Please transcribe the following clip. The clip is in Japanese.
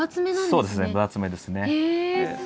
そうですね分厚めですね。